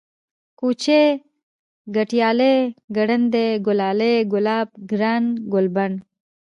كوچى ، گټيالی ، گړندی ، گلالی ، گلاب ، گران ، گلبڼ